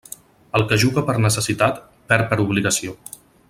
El que juga per necessitat, perd per obligació.